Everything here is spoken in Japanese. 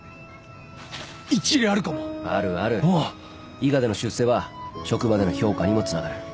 伊賀での出世は職場での評価にもつながる。